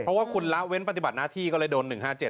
เพราะว่าคุณละเว้นปฏิบัติหน้าที่ก็เลยโดน๑๕๗